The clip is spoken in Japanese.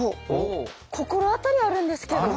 心当たりあるんですけど。